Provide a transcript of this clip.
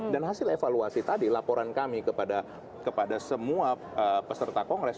hasil evaluasi tadi laporan kami kepada semua peserta kongres